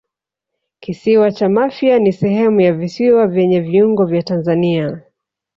Kisiwa cha Mafia ni sehemu ya visiwa vyenye viungo vya Tanzania